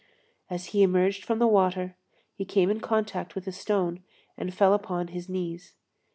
As he emerged from the water, he came in contact with a stone and fell upon his knees.